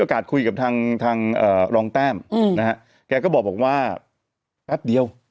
คุยกับทางทางรองแต้มนะฮะแกก็บอกว่าแป๊บเดียว